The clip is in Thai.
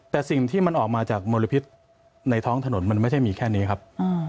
แต่สิ่งที่มันออกมาจากมลพิษในท้องถนนมันไม่ใช่มีแค่นี้ครับ